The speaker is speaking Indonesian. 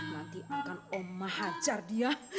nanti akan oma hajar dia